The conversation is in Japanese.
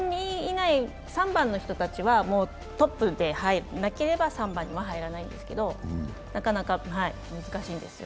３番の人たちはトップでなければ３番にも入らないんですけど、なかなか難しいんですよ。